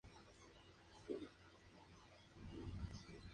Formó parte del equipo jurídico de Saddam Hussein.